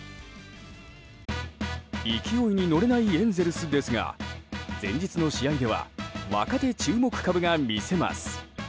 勢いに乗れないエンゼルスですが前日の試合では若手注目株が魅せます。